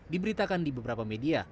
diberitakan di beberapa media